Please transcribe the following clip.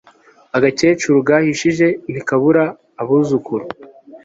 agakecuru gahishije ntikabura abuzukuru